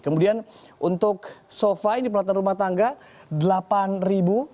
kemudian untuk sofa ini peralatan rumah tangga delapan ribu